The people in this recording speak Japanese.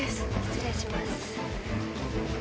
失礼します。